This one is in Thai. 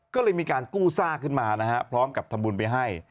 ก็เลยมีการกู้ซากขึ้นมานะฮะพร้อมกับทำบุญไปให้